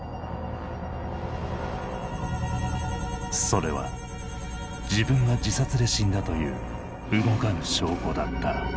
それは自分が自殺で死んだという動かぬ証拠だった。